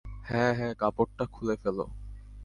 হ্যা, হ্যা, কাপড়টা খুলে ফেল।